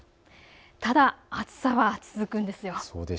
ただ、暑さは続くんですよ。